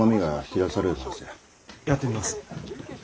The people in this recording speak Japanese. やってみます。